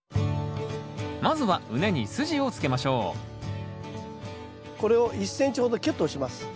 まずは畝にすじをつけましょうこれを１ｃｍほどきゅっと押します。